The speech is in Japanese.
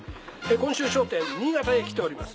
今週『笑点』新潟へ来ております。